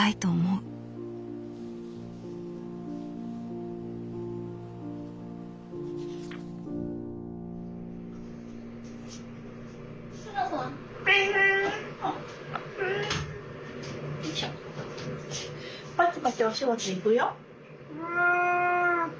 うん。